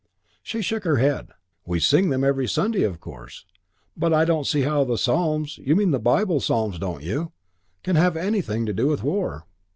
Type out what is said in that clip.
She shook her head. "We sing them every Sunday, of course. But I don't see how the Psalms you mean the Bible Psalms, don't you? can have anything to do with war."